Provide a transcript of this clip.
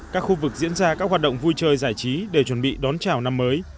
các khu vực diễn ra các hoạt động vui chơi giải trí để chuẩn bị đón chào năm mới